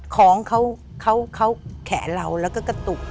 ของเขาแขนเราแล้วก็กระตุก